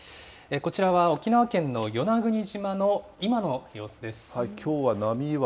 こちらは沖縄県の与那国島の今の様子です。